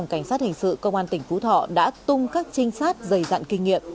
cảnh sát hình sự công an tỉnh phú thọ đã tung các trinh sát dày dặn kinh nghiệm